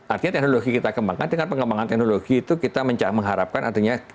artinya teknologi kita kembangkan dengan pengembangan teknologi itu kita mengharapkan artinya